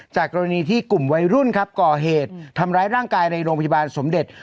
กรณีที่กลุ่มวัยรุ่นครับก่อเหตุทำร้ายร่างกายในโรงพยาบาลสมเด็จ